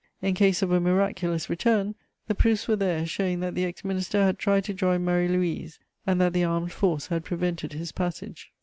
In case of a miraculous return, the proofs were there showing that the ex minister had tried to join Marie Louise and that the armed force had prevented his passage.